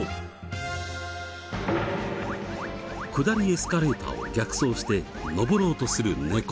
下りエスカレーターを逆走して上ろうとする猫。